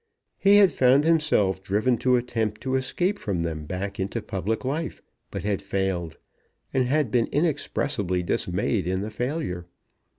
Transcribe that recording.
He had found himself driven to attempt to escape from them back into public life; but had failed, and had been inexpressibly dismayed in the failure.